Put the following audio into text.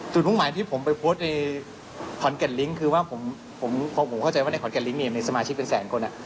มุ่งหมายที่ผมไปโพสต์ในขอนแก่นลิงก์คือว่าผมเข้าใจว่าในขอนแก่นลิ้งในสมาชิกเป็นแสนคน